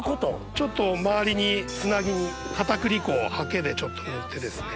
ちょっと周りにつなぎに片栗粉をハケで塗ってですね。